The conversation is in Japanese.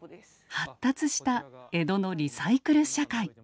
発達した江戸のリサイクル社会。